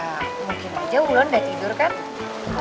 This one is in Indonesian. ya mungkin aja wulandar tidur kan